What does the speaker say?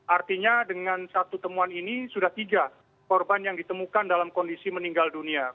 artinya dengan satu temuan ini sudah tiga korban yang ditemukan dalam kondisi meninggal dunia